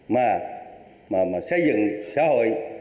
mà xây dựng xã hội